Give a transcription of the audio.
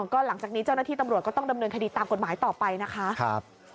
ก็หลังจากนี้เจ้าหน้าที่ตำรวจก็ต้องดำเนินคดีตามกฎหมายต่อไปนะคะ